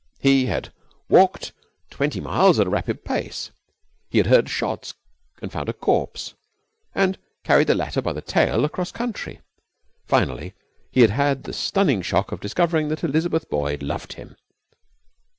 He had walked twenty miles at a rapid pace. He had heard shots and found a corpse, and carried the latter by the tail across country. Finally, he had had the stunning shock of discovering that Elizabeth Boyd loved him.